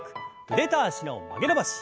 腕と脚の曲げ伸ばし。